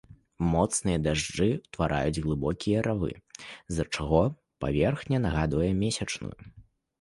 Моцныя дажджы ўтвараюць глыбокія равы, з-за чаго паверхня нагадвае месячную.